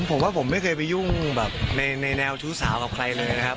ผมว่าผมไม่เคยไปยุ่งแบบในแนวชู้สาวกับใครเลยนะครับ